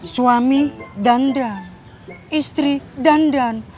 suami dandan istri dandan